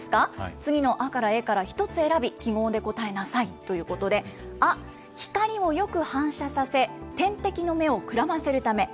次のアからエから１つ選び、記号で答えなさい。ということで、ア、光をよく反射させ、天敵の目をくらませるため。